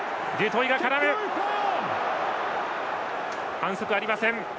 反則はありません。